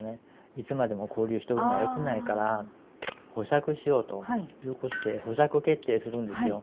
いつまでも勾留しておくのはよくないから保釈しようということで保釈決定するんですよ。